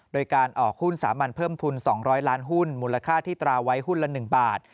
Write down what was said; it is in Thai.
โดยการออกหุ้นสามัญเพิ่มทุน๒๐๐ล้านหุ้นมูลค่าที่ตราไว้หุ้นละ๑บาท